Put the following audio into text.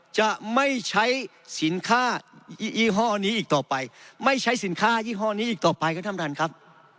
จะไม่ใช้สินค้ายี่ห้อนี้อีกต่อไปไม่ใช้สินค้ายี่ห้อนี้อีกต่อไปครับท่านประธานครับ